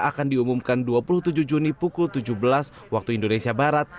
akan diumumkan dua puluh tujuh juni pukul tujuh belas waktu indonesia barat